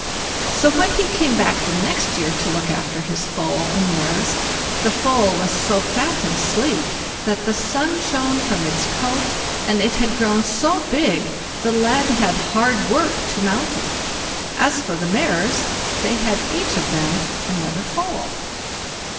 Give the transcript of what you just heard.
So when he came back the next year to look after his foal and mares, the foal was so fat and sleek, that the sun shone from its coat, and it had grown so big, the lad had hard work to mount it. As for the mares, they had each of them another foal.